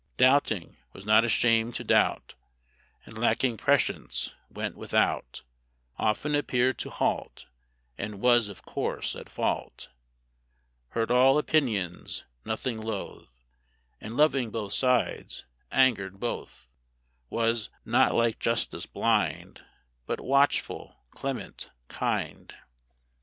Doubting, was not ashamed to doubt, And, lacking prescience, went without: Often appeared to halt, And was, of course, at fault; Heard all opinions, nothing loath, And, loving both sides, angered both: Was not like Justice, blind, But watchful, clement, kind.